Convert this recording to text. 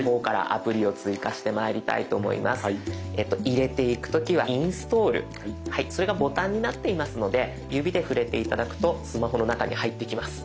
入れていく時はインストールそれがボタンになっていますので指で触れて頂くとスマホの中に入っていきます。